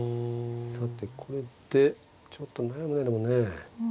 さてこれでちょっと悩むねでもね。